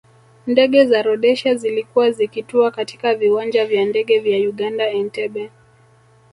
Ndege za Rhodesia zilikuwa zikitua katika viwanja vya ndege vya Uganda Entebbe